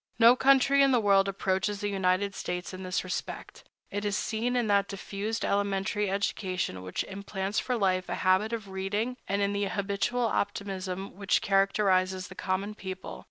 No country in the world approaches the United States in this respect. It is seen in that diffused elementary education which implants for life a habit of reading, and in the habitual optimism which characterizes the common people.